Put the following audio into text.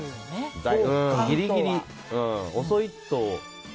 ギリギリ、遅いと。